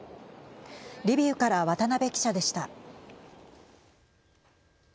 リビウから渡辺記者でした。